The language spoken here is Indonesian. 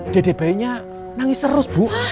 dede bayinya nangis terus